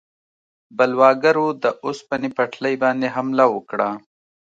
بلواګرو د اوسپنې پټلۍ باندې حمله وکړه.